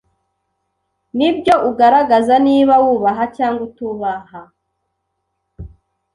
nibyo ugaragaza niba wubaha cyangwa utubaha